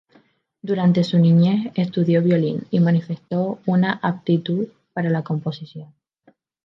Durante su niñez, estudió violín y manifestó una aptitud para la composición.